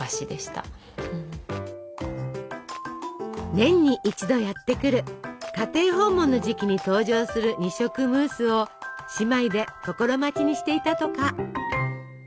年に一度やってくる家庭訪問の時期に登場する二色ムースを姉妹で心待ちにしていたとか。